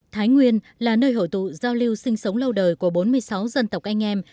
thái nguyên là nơi hội tụ giao lưu sinh sống lâu đời của bốn mươi sáu dân tộc anh em